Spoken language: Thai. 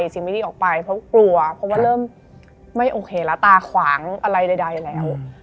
ว่าไม่โอเคแล้วตายตาขวางอะไรใดแล้ว